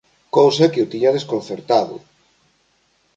Cousa que o tiña desconcertado.